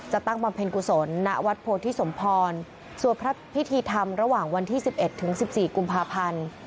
ตั้งบำเพ็ญกุศลณวัดโพธิสมพรสวดพระพิธีธรรมระหว่างวันที่๑๑ถึง๑๔กุมภาพันธ์